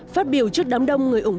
phát biểu trước đám đông người ủng hộ